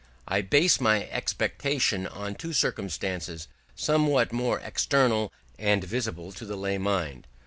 I base my expectation on two circumstances somewhat more external and visible to the lay mind.